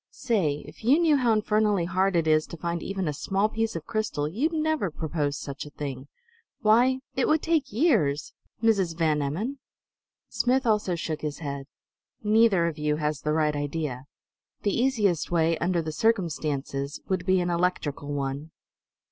Say, if you knew how infernally hard it is to find even a small piece of crystal, you'd never propose such a thing! Why, it would take years Mrs. Van Emmon!" Smith also shook his head. "Neither of you has the right idea. The easiest way, under the circumstances, would be an electrical one."